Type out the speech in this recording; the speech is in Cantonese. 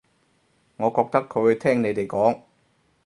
我覺得佢會聽你哋講